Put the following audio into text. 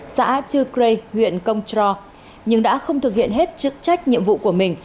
xã chư crê huyện công tro nhưng đã không thực hiện hết chức trách nhiệm vụ của mình